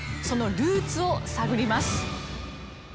そのルーツを探ります。